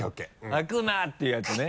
「開くな！」っていうやつね。